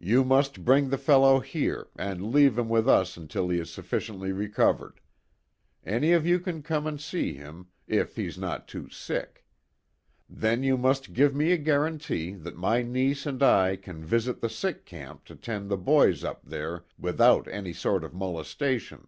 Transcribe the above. "You must bring the fellow here, and leave him with us until he is sufficiently recovered. Any of you can come and see him, if he's not too sick. Then you must give me a guarantee that my niece and I can visit the sick camp to tend the boys up there without any sort of molestation.